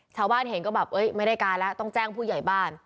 ชาวบ้านเห็นก็แบบไม่ได้การแล้วต้องแจ้งผู้ใหญ่บ้าน